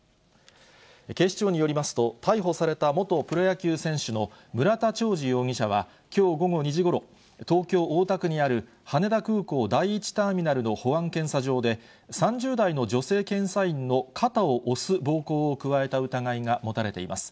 警視庁によりますと、逮捕された元プロ野球選手の村田兆治容疑者は、きょう午後２時ごろ、東京・大田区にある羽田空港第１ターミナルの保安検査場で、３０代の女性検査員の肩を押す暴行を加えた疑いが持たれています。